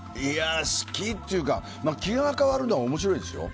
好きというか気分が変わるのは面白いですよ。